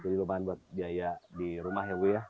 jadi lu bahkan buat biaya di rumah ya bu ya